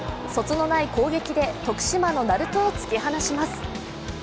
そつのない攻撃で徳島の鳴門を突き放します。